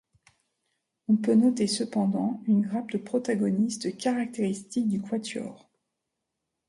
On peut noter cependant une grappe de protagonistes caractéristique du Quatuor.